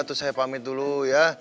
terus saya pamit dulu ya